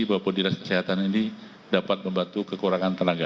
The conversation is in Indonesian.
nah sesuai dengan kepedulian profesi bahwa dinas kesehatan ini dapat membantu kekurangan tenaga